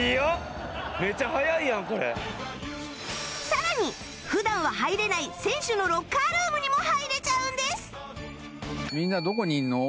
さらに普段は入れない選手のロッカールームにも入れちゃうんです